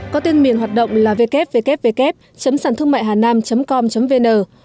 có tiên miền hoạt động là www sảnthươngmạihanam com vn